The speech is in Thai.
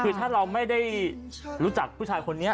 คือถ้าเราไม่ได้รู้จักผู้ชายคนนี้